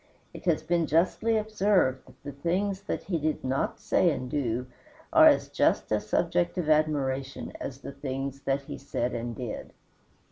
It has been justly observed that the things that he did not say and do are as just a subject of admiration as the things that he said and did.